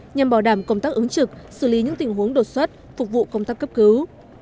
nhằm bảo đảm công tác ứng trực xử lý những tình huống đột xuất phục vụ công tác cấp cứu